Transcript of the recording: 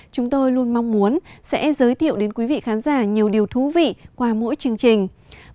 chúng tôi luôn mong muốn sẽ giới thiệu đến quý vị khán giả nhiều điều thú vị qua mỗi chương trình